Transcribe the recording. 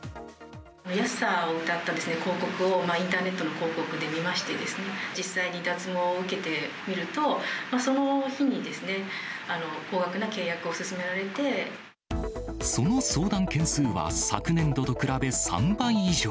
安さをうたった広告をインターネットの広告で見ましてですね、実際に脱毛を受けてみると、その相談件数は昨年度と比べ３倍以上。